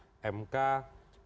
mk bisa menjadi salah satu